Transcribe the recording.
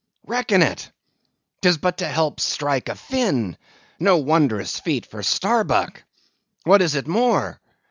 Reckon it. 'Tis but to help strike a fin; no wondrous feat for Starbuck. What is it more?